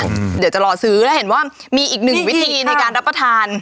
เดี๋ยวจะรอซื้อแล้วเห็นว่ามีอีกหนึ่งวิธีในการรับประทาน